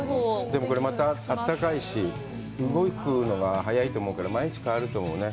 でもこれ、またあったかいし、動くのが早いと思うから、毎日、変わると思うね。